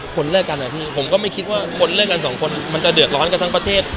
คนเลิกกันอะพี่ผมก็ไม่คิดว่าคนเลิกกันสองคนมันจะเดือดร้อนกันทั้งประเทศ